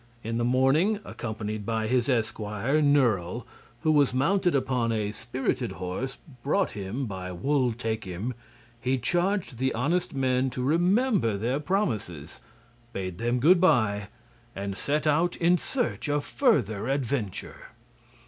In the morning, accompanied by his esquire, Nerle, who was mounted upon a spirited horse brought him by Wul Takim, he charged the honest men to remember their promises, bade them good by, and set out in search of further adventure.